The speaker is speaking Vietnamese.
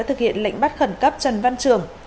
thực hiện lệnh bắt khẩn cấp trần văn trường